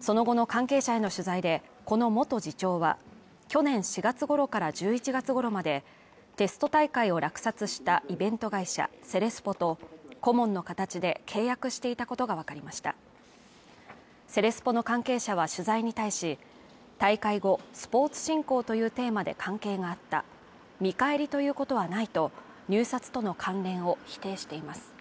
その後の関係者への取材でこの元次長は去年４月頃から１１月頃までテスト大会を落札したイベント会社セレスポと顧問の形で契約していたことが分かりましたセレスポの関係者は取材に対し大会後スポーツ振興というテーマで関係があった見返りということはないと入札との関連を否定しています